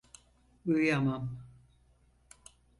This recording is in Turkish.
Uyuyamam.